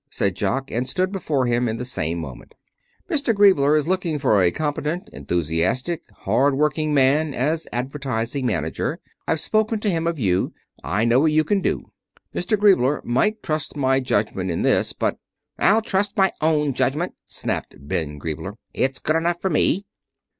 said Jock, and stood before him in the same moment. "Mr. Griebler is looking for a competent, enthusiastic, hard working man as advertising manager. I've spoken to him of you. I know what you can do. Mr. Griebler might trust my judgment in this, but " "I'll trust my own judgment," snapped Ben Griebler. "It's good enough for me."